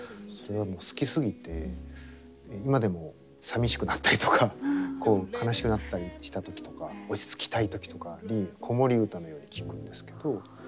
それがもう好きすぎて今でもさみしくなったりとかこう悲しくなったりした時とか落ち着きたい時とかに子守唄のように聴くんですけど。